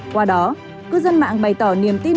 qua đó cư dân mạng bày tỏ niềm tin